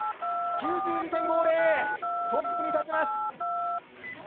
９２．５０、トップに立ちます。